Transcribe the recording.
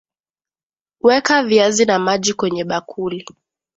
Weka viazi na maji kwenye bakuli